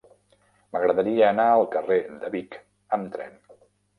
M'agradaria anar al carrer de Vic amb tren.